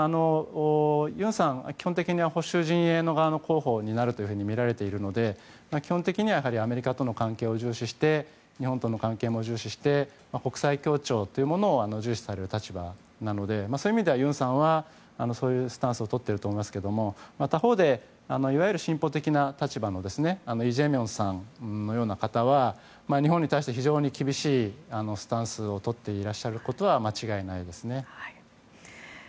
ユンさんは基本的に保守陣営側の候補だとみられているので基本的には、アメリカとの関係を重視し、日本との関係も重視して国際協調というものを重視される立場なのでそういう意味ではユンさんはそういうスタンスをとっていると思いますけど他方で、いわゆる進歩的な立場のイ・ジェミョンさんのような人は日本に対して非常に厳しいスタンスをとっていらっしゃることは間違いないです。